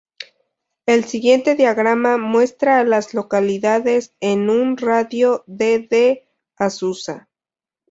El siguiente diagrama muestra a las localidades en un radio de de Azusa.